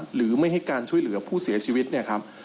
หรือไม่ให้การช่วยเหลือผู้เสียชีวิตเนี่ยครับ